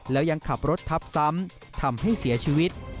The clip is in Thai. แล้วยังขับรถทับซ้ำทำให้เสียชีวิต